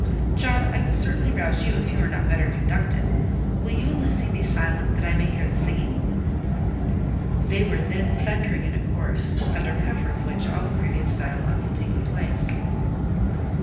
"John, I will certainly rouse you if you are not better conducted. Will you and Lucy be silent, that I may hear the singing?" They were then thundering in a chorus, under cover of which all the previous dialogue had taken place.